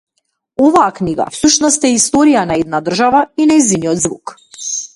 Оваа книга, всушност, е историја на една држава и нејзиниот звук.